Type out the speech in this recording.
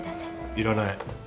いらない。